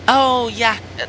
oh ya taruhan